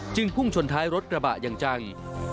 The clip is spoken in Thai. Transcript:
พุ่งชนท้ายรถกระบะอย่างจัง